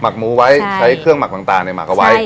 หมูไว้ใช้เครื่องหมักต่างในหมักเอาไว้